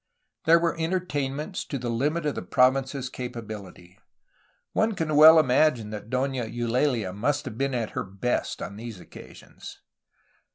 There were entertainments to the hmit of the province's capacity. One can well imagine that Dona Eulalia must have been at her best on these occasions.